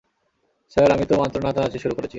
Sir, আমি তো মাত্র নাচানাচি শুরু করেছি।